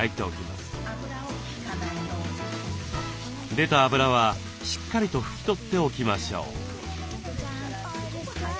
出た油はしっかりと拭き取っておきましょう。